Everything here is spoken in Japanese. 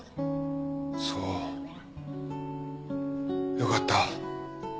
そうよかった。